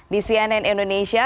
di cnn indonesia